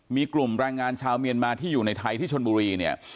มีกลุ่มแรงงานชาวเมียนมาที่อยู่ในไทยที่ชนบุรีเนี่ย